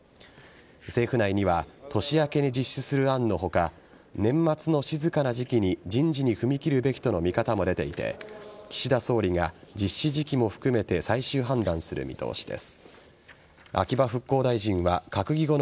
政府内には年明けに実施する案の他年末の静かな時期に人事に踏み切るべきとの見方も出ていて岸田総理が実施時期も含めて最終判断する見通しです。